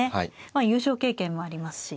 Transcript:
優勝経験もありますし。